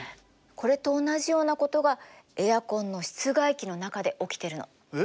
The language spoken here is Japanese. これと同じようなことがエアコンの室外機の中で起きてるの。え？